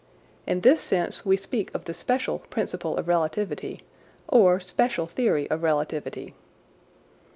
In this sense we speak of the special principle of relativity, or special theory of relativity.